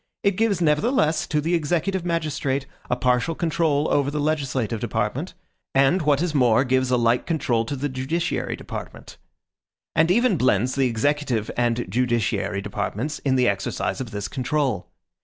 It gives, nevertheless, to the executive magistrate, a partial control over the legislative department; and, what is more, gives a like control to the judiciary department; and even blends the executive and judiciary departments in the exercise of this control.